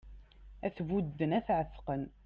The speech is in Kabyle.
Ad t-budden ad t-εetqen